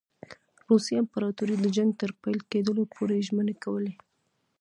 روسي امپراطوري د جنګ تر پیل کېدلو پوري ژمنې کولې.